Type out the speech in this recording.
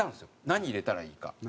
何入れたらいいか。